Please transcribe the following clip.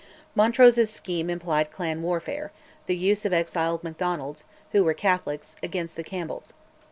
Montrose's scheme implied clan warfare, the use of exiled Macdonalds, who were Catholics, against the Campbells.